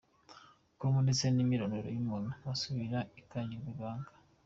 com ndetse n’imyirondoro y’umuntu usubiza ikagirwa ibanga.